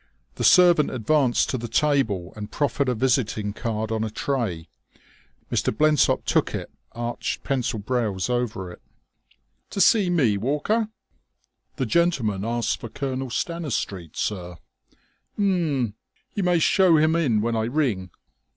The servant advanced to the table and proffered a visiting card on a tray. Mr. Blensop took it, arched pencilled brows over it. "To see me, Walker?" "The gentleman asked for Colonel Stanistreet, sir." "H'm.... You may show him in when I ring."